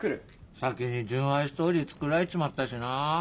先に純愛ストーリー作られちまったしな。